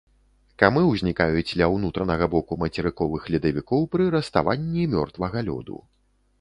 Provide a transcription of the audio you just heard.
Камы ўзнікаюць ля ўнутранага боку мацерыковых ледавікоў пры раставанні мёртвага лёду.